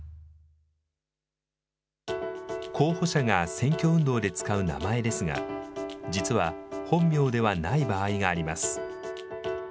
候補者が選挙運動で使う名前ですが、実は、本名ではない場合があります。